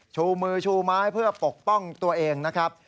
ชูมือชูไม้เพื่อปกป้องตัวเองนะครับ